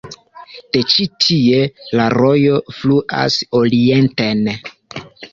De ĉi tie la rojo fluas orienten.